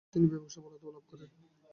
তিনি ব্যাপক সফলতাও লাভ করেন।